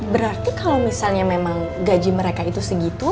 berarti kalau misalnya memang gaji mereka itu segitu